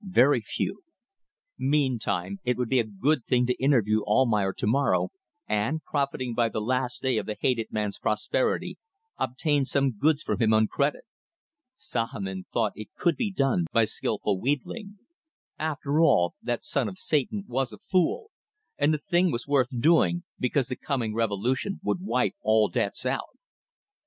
Very few. Meantime it would be a good thing to interview Almayer to morrow and, profiting by the last day of the hated man's prosperity, obtain some goods from him on credit. Sahamin thought it could be done by skilful wheedling. After all, that son of Satan was a fool, and the thing was worth doing, because the coming revolution would wipe all debts out.